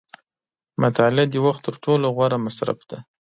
• مطالعه د وخت تر ټولو غوره مصرف دی.